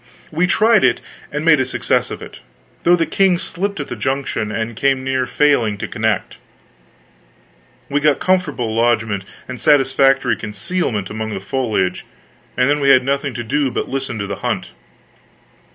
We tried it, and made a success of it, though the king slipped, at the junction, and came near failing to connect. We got comfortable lodgment and satisfactory concealment among the foliage, and then we had nothing to do but listen to the hunt.